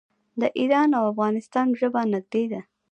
د ایران او افغانستان ژبه نږدې ده.